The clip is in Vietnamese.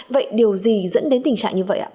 vậy điều gì dẫn đến tình trạng như vậy ạ